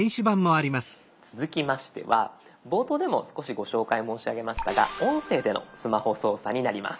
続きましては冒頭でも少しご紹介申し上げましたが音声でのスマホ操作になります。